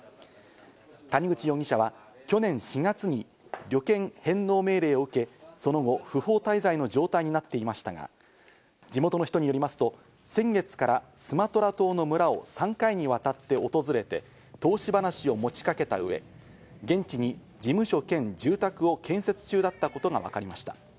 谷口容疑者は去年４月に旅券返納命令を受け、その後、不法滞在の状態になっていましたが、地元の人によりますと、先月からスマトラ島の村を３回に渡って訪れて、投資話を持ちかけたうえ、現地に事務所兼住宅を建設中だったことが分かりました。